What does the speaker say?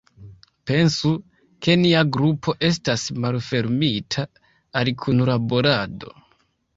Pensu, ke nia grupo estas malfermita al kunlaborado.